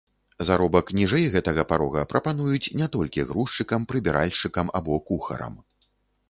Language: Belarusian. Заробак ніжэй гэтага парога прапануюць не толькі грузчыкам, прыбіральшчыкам або кухарам.